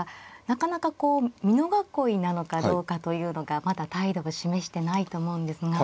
なかなかこう美濃囲いなのかどうかというのがまだ態度を示してないと思うんですが。